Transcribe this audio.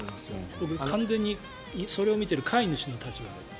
僕、完全にそれを見てる飼い主の立場で。